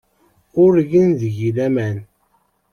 Ur gin deg-i laman.